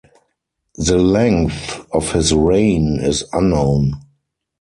The length of his reign is unknown.